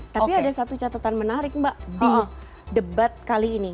tapi ada satu catatan menarik mbak di debat kali ini